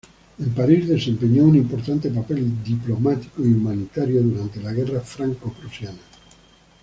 En París, desempeñó un importante papel diplomático y humanitario durante la guerra franco-prusiana.